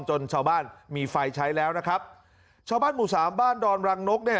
ชาวบ้านมีไฟใช้แล้วนะครับชาวบ้านหมู่สามบ้านดอนรังนกเนี่ย